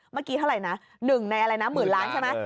เมื่อกี้เท่าไหร่นะ๑ในอะไรนะหมื่นล้านใช่ไหม